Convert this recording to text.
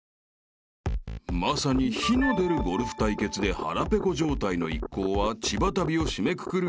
［まさに火の出るゴルフ対決で腹ぺこ状態の一行は千葉旅を締めくくる